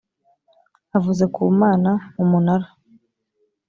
avuze ku mana umunara